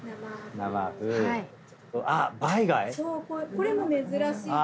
これも珍しいです。